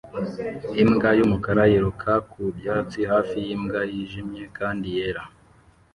Imbwa y'umukara yiruka ku byatsi hafi y'imbwa yijimye kandi yera